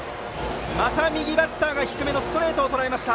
また右バッターが低めのストレートをとらえました。